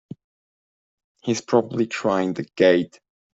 He's probably trying the gate!